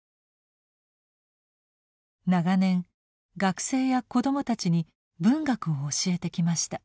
長年学生や子どもたちに文学を教えてきました。